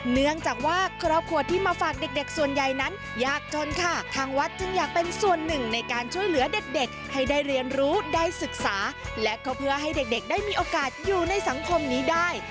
เนื่องจากว่าครอบครัวที่มาฝากเด็กส่วนใหญ่นั้นยากจนค่ะทางวัดจึงอยากเป็นส่วนหนึ่งในการช่วยเหลือเด็กให้ได้เรียนรู้ได้ศึกษาและก็เพื่อให้เด็กได้มีโอกาสอยู่ในสังคมนี้ได้